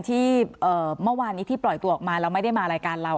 ที่เมื่อวานนี้ที่ปล่อยตัวออกมาเราไม่ได้มารายการเรา